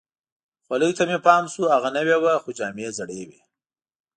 خولۍ ته مې پام شو، هغه نوې وه، خو جامې زړې وي.